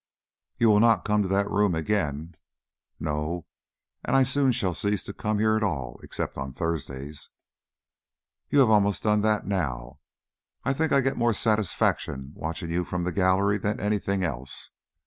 "You will not come to that room again!" "No. And I soon shall cease to come here at all except on Thursdays." "You almost have done that now. I think I get more satisfaction watching you from the gallery than anything else.